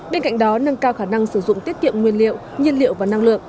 bên cạnh đó nâng cao khả năng sử dụng tiết kiệm nguyên liệu nhiên liệu và năng lượng